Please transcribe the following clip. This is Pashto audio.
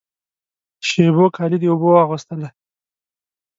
شېبو کالی د اوبو واغوستله